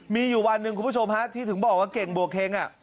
มีอยู่วันหนึ่งคุณผู้ชมฮะที่ถึงบอกว่าเก่งบัวเฮง